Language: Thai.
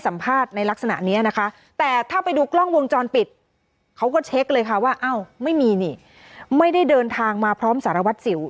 ไม่ได้เดินทางมาพร้อมสารวัดสีว